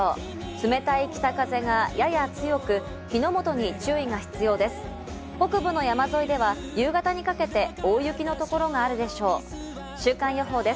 冷たい北風がやや強く、火の元に注意が必要です。